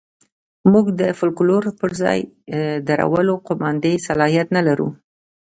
موږ د فوکلور پر ځای درولو قوماندې صلاحیت نه لرو.